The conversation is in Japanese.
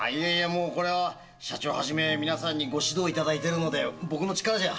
もうこれは社長はじめ皆さんにご指導いただいてるので僕の力じゃ。